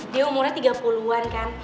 dia umurnya tiga puluh an kan